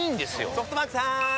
ソフトバンクさーん！